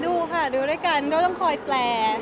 ดูค่ะดูด้วยกันก็ต้องคอยแปล